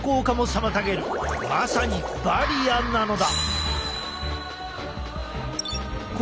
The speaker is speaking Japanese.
まさにバリアなのだ。